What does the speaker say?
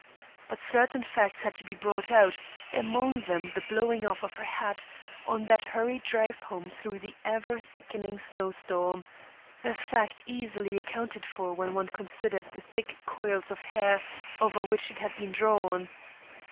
But certain facts had to be brought out, among them the blowing off of her hat on that hurried drive home through the ever thickening snow storm a fact easily accounted for, when one considered the thick coils of hair over which it had been drawn.